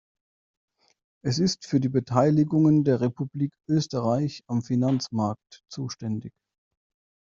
Es ist für die Beteiligungen der Republik Österreich am Finanzmarkt zuständig.